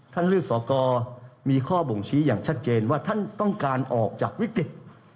หรือสอกรมีข้อบ่งชี้อย่างชัดเจนว่าท่านต้องการออกจากวิกฤต